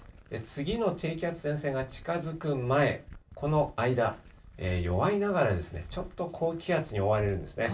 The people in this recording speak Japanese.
次の低気圧、前線が近づく前、この間、弱いながらですね、ちょっと高気圧に覆われるんですね。